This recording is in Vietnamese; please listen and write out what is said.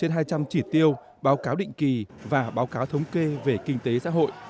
hệ thống thông tin báo cáo định kỳ và báo cáo thống kê về kinh tế xã hội